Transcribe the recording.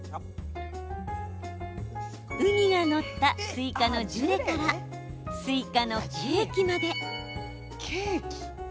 ウニが載ったスイカのジュレからスイカのケーキまで。